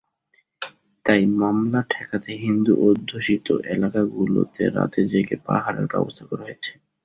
তাই হামলা ঠেকাতে হিন্দু-অধ্যুষিত এলাকাগুলোতে রাত জেগে পাহারার ব্যবস্থা করা হয়েছে।